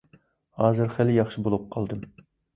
ھازىر خېلى ياخشى بولۇپ قالدىم.